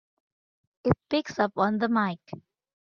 It picks up on the mike!